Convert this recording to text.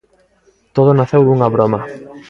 Todo naceu dunha broma.